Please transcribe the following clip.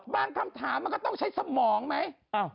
คำถามมันก็ต้องใช้สมองไหม